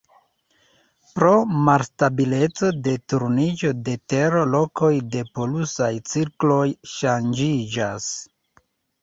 Pro malstabileco de turniĝo de Tero lokoj de polusaj cirkloj ŝanĝiĝas.